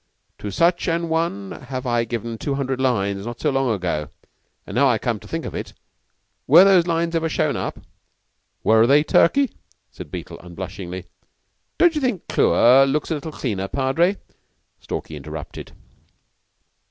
To such an one have I given two hundred lines not so long ago. And now I come to think of it, were those lines ever shown up?" "Were they, Turkey?' said Beetle unblushingly. "Don't you think Clewer looks a little cleaner, Padre?" Stalky interrupted.